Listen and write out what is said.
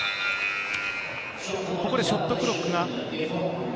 ここでショットクロックが。